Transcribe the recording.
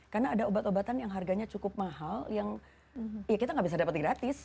karena ada obat obatan yang harganya cukup mahal yang kita nggak bisa dapat gratis